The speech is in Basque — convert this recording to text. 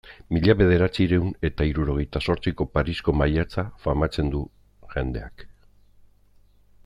Mila bederatziehun eta hirurogeita zortziko Parisko maiatza famatzen du jendeak.